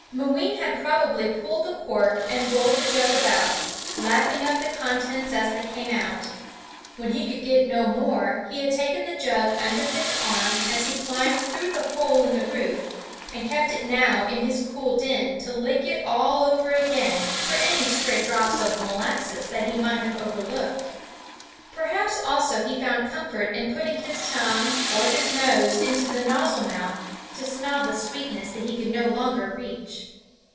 Mooween had probably pulled the cork and rolled the jug about, lapping up the contents as they came out. When he could get no more he had taken the jug under his arm as he climbed through the hole in the roof, and kept it now in his cool den to lick it all over again for any stray drops of molasses that he might have overlooked. Perhaps also he found comfort in putting his tongue or his nose into the nozzle mouth to smell the sweetness that he could no longer reach.